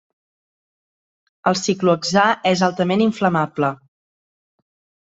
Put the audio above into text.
El ciclohexà és altament inflamable.